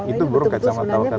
itu burung kacamata wakatobi